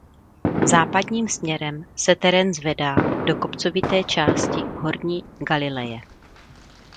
Západním směrem se terén zvedá do kopcovité části Horní Galileje.